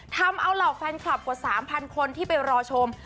ทำเอาเหล่าแฟนคลับกว่า๓๐๐คนที่ไปรอชม